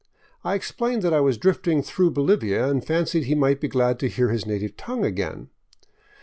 I explained that I was drifting through Bolivia and fancied he might be glad to hear his native tongue again.